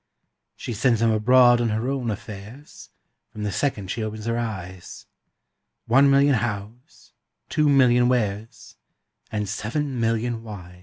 She sends 'em abroad on her own affairs, From the second she opens her eyes One million Hows, two million Wheres, And seven million Whys!